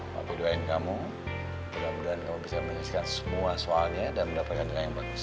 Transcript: dapu doain kamu berdoa kamu bisa menuliskan semua soalnya dan mendapatkan jalan yang bagus